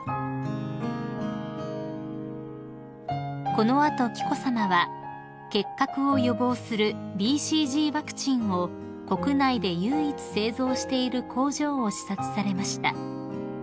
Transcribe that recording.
［この後紀子さまは結核を予防するＢＣＧワクチンを国内で唯一製造している工場を視察されました］